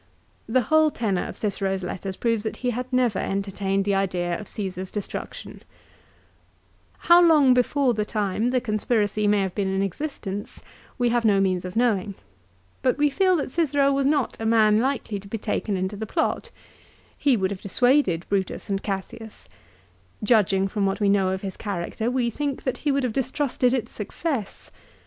a The whole tenor of Cicero's letters proves that he had never entertained the idea of Caesar's destruction. How long before the time the conspiracy may have been in existence we have no means of knowing ; but we feel 1 These words will be found iu M. Du Ilozoir's summary to the Philippics. C&SAR'S DEATH. 211 that Cicero was not a man likely to be taken into the plot. He would have dissuaded Brutus and Cassius. Judging from what we know of his character we think that he would have distrusted its success.